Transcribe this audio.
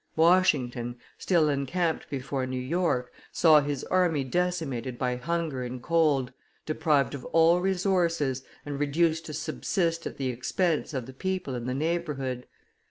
Washington, still encamped before New York, saw his army decimated by hunger and cold, deprived of all resources, and reduced to subsist at the expense of the people in the neighborhood.